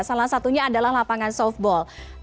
salah satunya adalah lapangan softball